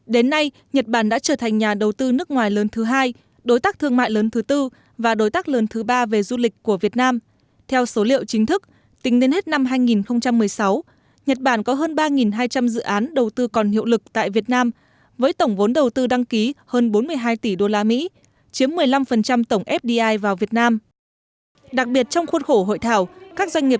đến nay nhật bản đã trở thành đối tác kinh tế quan trọng hàng đầu của việt nam và là nước g bảy đầu tiên công nhận quy chế kinh tế thị trường của việt nam tháng một mươi năm hai nghìn một mươi một